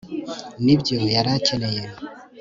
nibyo yari akeneye